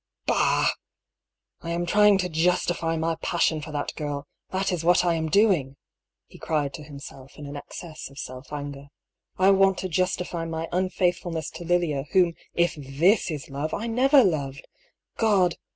" Bah ! I am trjring to justify my passion for that girl — that is what I am doing !" he cried to himself in an excess of self ^anger. " I want to justify my unf aith A QUESTIONABLE DOCTRINE. 241 fulness to Lflia, whom, if this is love, I never loved I Ood